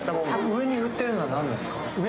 上に振ってるのは何ですか？